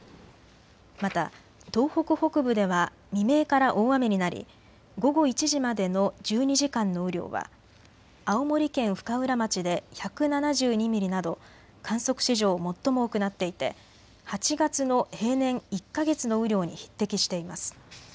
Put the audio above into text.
また東北北部では未明から大雨になり午後１時までの１２時間の雨量は青森県深浦町で１７２ミリなど観測史上最も多くなっていて８月の平年１か月の雨量に匹敵しています。